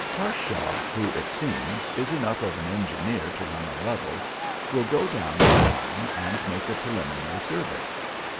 Harshaw, who, it seems, is enough of an engineer to run a level, will go down with Tom and make the preliminary surveys.